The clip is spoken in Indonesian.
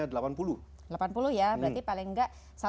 jadi misalnya masukin air ini beras tak